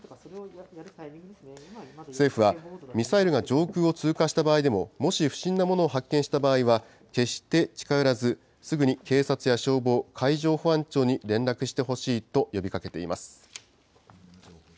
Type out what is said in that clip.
政府は、ミサイルが上空を通過した場合でも、もし不審なものを発見した場合は、決して近寄らず、すぐに警察や消防、海上保安庁に連絡してほしいと呼びかけています。